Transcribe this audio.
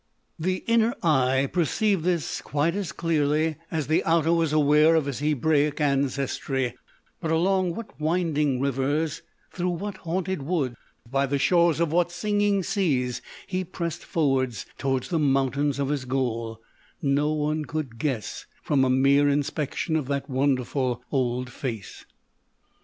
The inner eye perceived this quite as clearly as the outer was aware of his Hebraic ancestry ; but along what winding rivers, through what haunted woods, by the shores of what singing seas he pressed forward towards the mountains of his goal, no one could guess from a mere inspection of that wonderful old face.